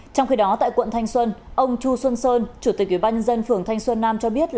trong khi đó tại quận thanh xuân ông chu xuân sơn chủ tịch ubnd phường thanh xuân nam cho biết